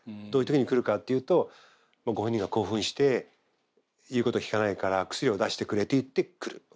どういう時に来るかっていうとご本人が興奮して言うこと聞かないから薬を出してくれって言って来る。